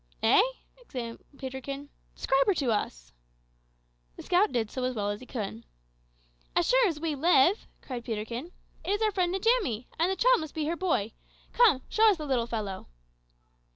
"Eh?" exclaimed Peterkin. "Describe her to us." The scout did so as well as he could. "As sure as we live," cried Peterkin, "it is our friend Njamie, and the child must be her boy! Come, show us the little fellow."